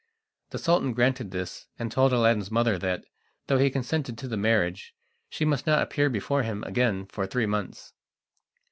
The Sultan granted this, and told Aladdin's mother that, though he consented to the marriage, she must not appear before him again for three months.